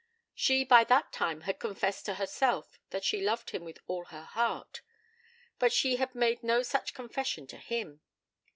She by that time had confessed to herself that she loved him with all her heart; but she had made no such confession to him.